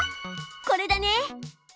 これだね！